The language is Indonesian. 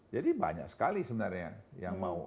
jadi banyak sekali sebenarnya yang mau